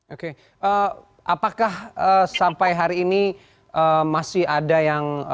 oke apakah sampai hari ini masih ada yang